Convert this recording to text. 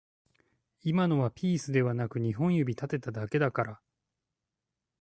今のはピースではなく二本指立てただけだから